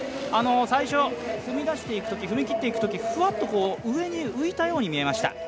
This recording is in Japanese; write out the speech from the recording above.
最初踏み出していくとき踏み切っていくとき、ふわっと上に浮いたように見えました。